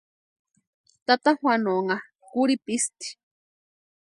Tata Juanonha kurhipisti.